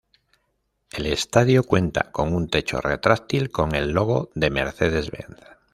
El estadio cuenta con un techo retráctil con el logo de Mercedes Benz.